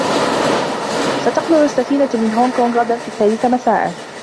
ستقلع السفينة من هونغ كونغ غدا في الثالثة مساءا.